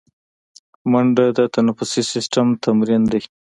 منډه د تنفسي سیستم تمرین دی